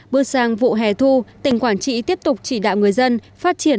bước sang vụ hè thu tỉnh quảng trị tiếp tục chỉ đạo người dân phát triển